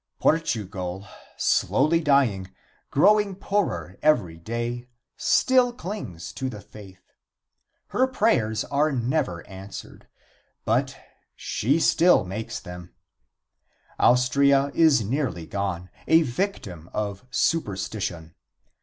Portugal, slowly dying, growing poorer every day, still clings to the faith. Her prayers are never answered, but she makes them still. Austria is nearly gone, a victim of superstition.